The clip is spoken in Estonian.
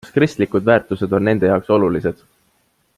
Kas kristlikud väärtused on nende jaoks olulised?